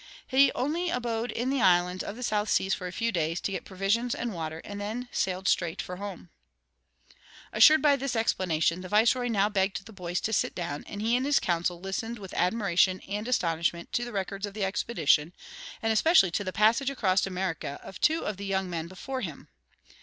He only abode in the islands of the South Seas for a few days, to get provisions and water, and then sailed straight for home." Assured by this explanation, the viceroy now begged the boys to sit down, and he and his council listened with admiration and astonishment to the records of the expedition, and especially to the passage across America of two of the young men before him.